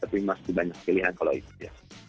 tapi masih banyak pilihan kalau itu ya